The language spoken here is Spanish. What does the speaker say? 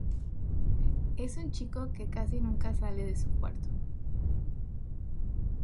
Es un chico que casi nunca sale de su cuarto.